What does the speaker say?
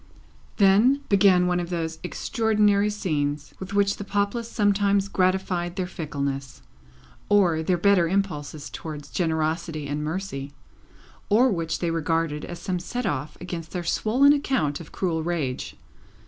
Then, began one of those extraordinary scenes with which the populace sometimes gratified their fickleness, or their better impulses towards generosity and mercy, or which they regarded as some set off against their swollen account of cruel rage.